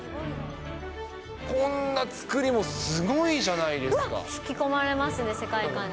こんな作りもすごいじゃない引き込まれますね、世界観に。